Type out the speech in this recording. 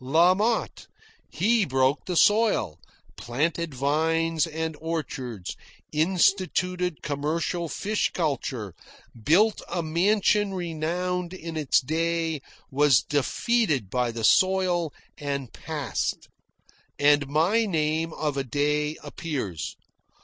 La Motte he broke the soil, planted vines and orchards, instituted commercial fish culture, built a mansion renowned in its day, was defeated by the soil, and passed. And my name of a day appears.